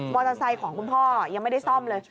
ไซค์ของคุณพ่อยังไม่ได้ซ่อมเลย